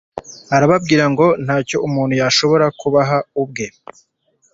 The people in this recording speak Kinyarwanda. Arababwira ati: “Ntacyo umuntu yashobora kwiha ubwe